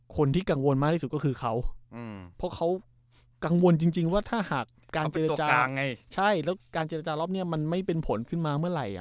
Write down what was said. คนที่กังวลมากที่สุดก็คือเขาเพราะเขากังวลจริงว่าถ้าหากการเจรจาใช่แล้วการเจรจารอบนี้มันไม่เป็นผลขึ้นมาเมื่อไหร่